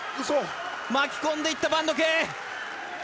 巻き込んでいったバンドケー。